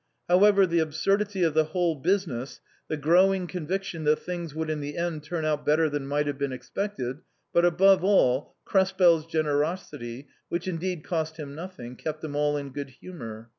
However, the absurdity of the whole business, the growing conviction that things would in the end turn out better than might have been expected, but above all, Krespel's generosity — which indeed cost him nothing — kept them all in good humour.